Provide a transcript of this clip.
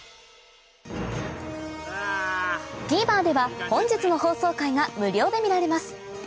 ＴＶｅｒでは本日の放送回が無料で見られます